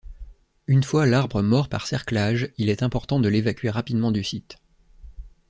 Une fois l'arbre mort par cerclage, il est important de l'évacuer rapidement du site.